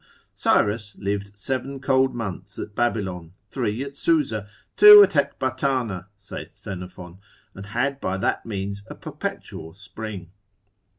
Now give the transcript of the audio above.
Cyrus lived seven cold months at Babylon, three at Susa, two at Ecbatana, saith Xenophon, and had by that means a perpetual spring.